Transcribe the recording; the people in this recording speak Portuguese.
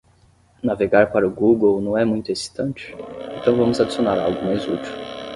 Navegar para o Google não é muito excitante?, então vamos adicionar algo mais útil.